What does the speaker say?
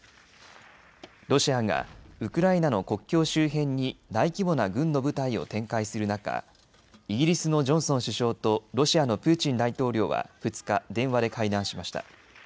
ロシアがウクライナの国境周辺に大規模な軍の部隊を展開する中、イギリスのジョンソン首相とロシアのプーチン大統領は２日、電話会談しました。